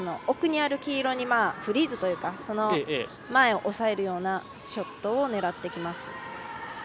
奥にある黄色にフリーズというか前を押さえるようなショットを狙ってきます。